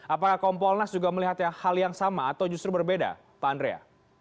apakah kompolnas juga melihat hal yang sama atau justru berbeda pak andrea